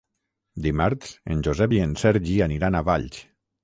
Dimarts en Josep i en Sergi aniran a Valls.